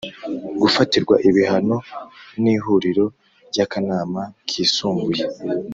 gufatirwa ibihano n’Ihuriro ryakanama kisumbuye